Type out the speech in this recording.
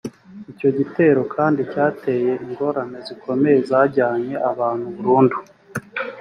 icyo gitero kandi cyateye ingorane zikomeye zajyanye abantu burundu